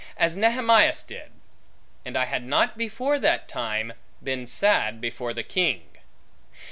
As Nehemias did; And I had not before that time, been sad before the king.